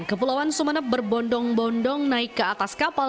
kepulauan sumeneb berbondong bondong naik ke atas kapal